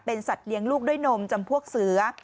สัตว์เลี้ยงลูกด้วยนมจำพวกเสือ